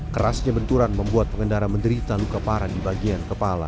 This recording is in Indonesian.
kerasnya benturan membuat pengendara menderita luka parah di bagian kepala